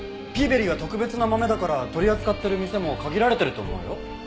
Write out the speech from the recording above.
ピーベリーは特別な豆だから取り扱ってる店も限られてると思うよ。